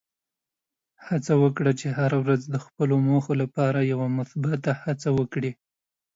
هڅه وکړه چې هره ورځ د خپلو موخو لپاره یوه مثبته هڅه وکړې.